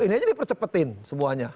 ini aja dipercepetin semuanya